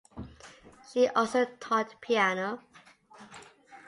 She also taught piano.